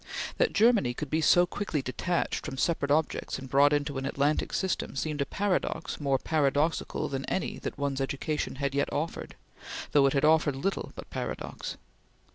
That Germany could be so quickly detached from separate objects and brought into an Atlantic system seemed a paradox more paradoxical than any that one's education had yet offered, though it had offered little but paradox.